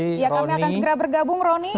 ya kami akan segera bergabung roni